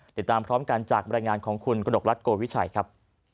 ติดตามพร้อมกันจากบรรยายงานของคุณกระดกรัฐโกวิชัยครับ